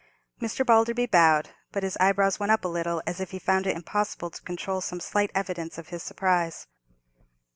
Mr. Balderby bowed, but his eyebrows went up a little, as if he found it impossible to control some slight evidence of his surprise.